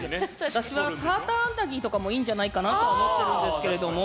私はサーターアンダギーとかもいいんじゃないかなと思ってるんですけれども。